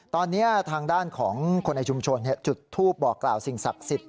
ตอนนี้ทางด้านของคนในชุมชนจุดทูปบอกกล่าวสิ่งศักดิ์สิทธิ